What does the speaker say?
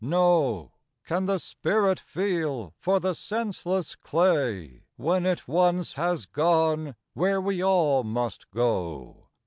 no; Can the spirit feel for the senseless clay, When it once has gone where we all must go?